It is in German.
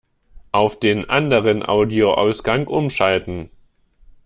Auf den anderen Audioausgang umschalten!